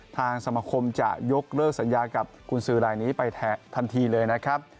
สมคมจะยกเลิกสัญญากับกุญสือรายนี้ไปทันทีเลยนะครับ